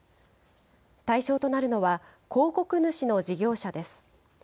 対象となるのは、広告主の事業者です。